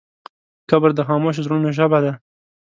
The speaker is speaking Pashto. قبر د خاموشو زړونو ژبه ده.